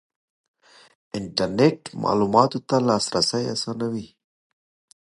انټرنېټ معلوماتو ته لاسرسی اسانوي.